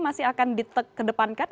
masih akan dikedepankan